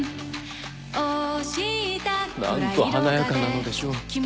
何と華やかなのでしょう。